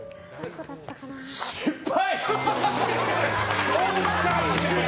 失敗！